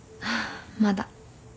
まだ。